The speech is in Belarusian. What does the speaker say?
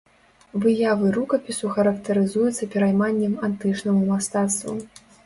Выявы рукапісу характарызуюцца перайманнем антычнаму мастацтву.